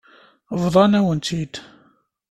Bḍan-awen-tt-id.